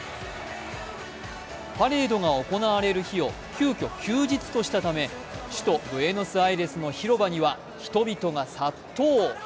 パレードが行われる日を急きょ、休日としたため首都ブエノスアイレスの広場には人々が殺到。